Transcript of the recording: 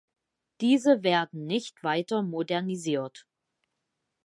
Diese werden nicht weiter modernisiert.